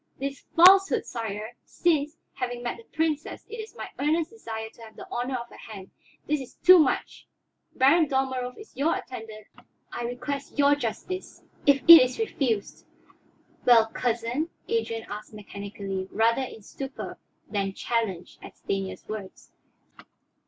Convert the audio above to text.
"This falsehood, sire since, having met the Princess, it is my earnest desire to have the honor of her hand this is too much. Baron Dalmorov is your attendant; I request your justice. If it is refused " "Well, cousin?" Adrian asked mechanically, rather in stupor than challenge at Stanief's words.